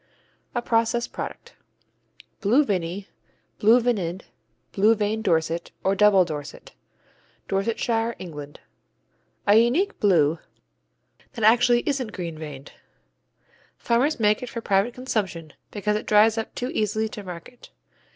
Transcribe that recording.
_ A process product. Blue Vinny, Blue Vinid, Blue veined Dorset, or Double Dorset Dorsetshire, England A unique Blue that actually isn't green veined. Farmers make it for private consumption, because it dries up too easily to market.